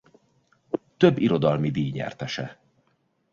Több irodalmi díj nyertese.